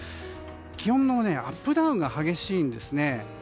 気温もアップダウンが激しいんですね。